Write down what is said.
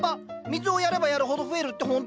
水をやればやるほど増えるってほんと？